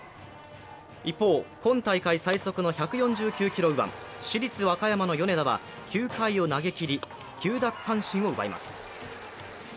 一方、今大会最速の１４９キロ右腕、市立和歌山の米田は９回を投げ切り、９奪三振を奪います。